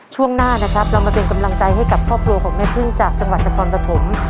ช่วงหน้านะครับเรามาเป็นกำลังใจให้กับครอบครัวของแม่พึ่งจากจังหวัดนครปฐม